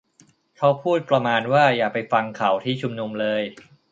เขาพูดประมาณว่า อย่าไปฟังเขาที่ชุมนุมเลย